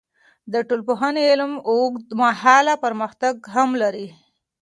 د ټولنپوهنې علم د اوږدمهاله پرمختګ لپاره مهم دی.